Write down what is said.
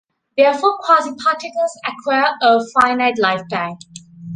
Therefore, quasiparticles acquire a finite lifetime.